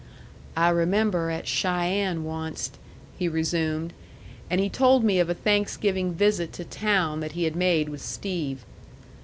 "I remember at Cheyenne onced," he resumed. And he told me of a Thanksgiving visit to town that he had made with Steve.